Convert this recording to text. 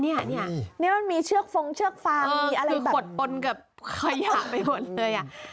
นี่มันมีเชือกฟงเชือกฟางมีอะไรขดปนกับขยะไปหมดเลย